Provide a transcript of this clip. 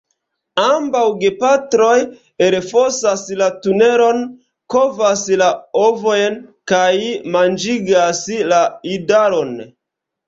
Ambaŭ gepatroj elfosas la tunelon, kovas la ovojn kaj manĝigas la idaron.